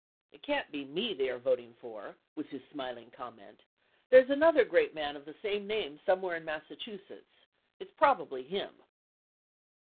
"It can't be me they are voting for," was his smiling comment; "there 's another great man of the same name somewhere in Massachusetts. It 's probably him."